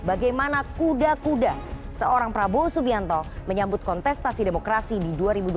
bagaimana kuda kuda seorang prabowo subianto menyambut kontestasi demokrasi di dua ribu dua puluh